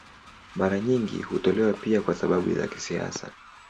Mara nyingi hutolewa pia kwa sababu za kisiasa.